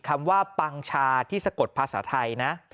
คำว่าปังชาที่สะกดภาษาไทยนะ